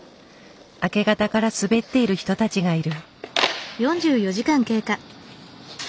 明け方から滑っている人たちがいる。